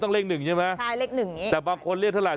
สงสัย